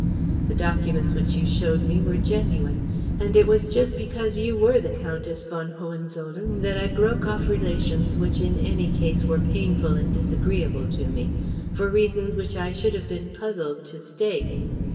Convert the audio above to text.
The documents which you showed me were genuine. And it was just because you were the Countess von Hohenzollern that I broke off relations which in any case were painful and disagreeable to me, for reasons which I should have been puzzled to state.